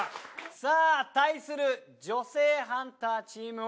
さあ対する女性ハンターチームは。